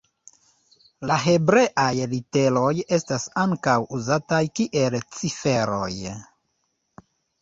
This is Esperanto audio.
La hebreaj literoj estas ankaŭ uzataj kiel ciferoj.